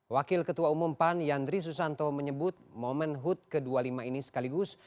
wakil ketua umum pan yandri susanto menyebut momen hud ke dua puluh lima ini sekaligus